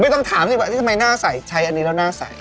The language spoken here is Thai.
ต้องถามสิว่าทำไมหน้าใสใช้อันนี้แล้วหน้าใส